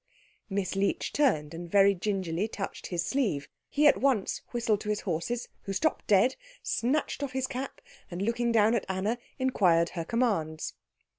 Miss Leech turned, and very gingerly touched his sleeve. He at once whistled to his horses, who stopped dead, snatched off his cap, and looking down at Anna inquired her commands.